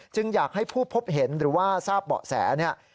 อยากให้ผู้พบเห็นหรือว่าทราบเบาะแสเนี่ย